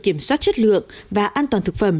kiểm soát chất lượng và an toàn thực phẩm